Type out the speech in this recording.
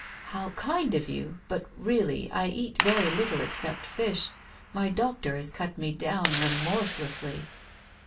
" How kind of you ! But really, I eat very little except fish. My doctor has cut me down remorselessly."